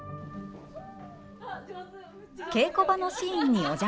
稽古場のシーンにお邪魔してみると。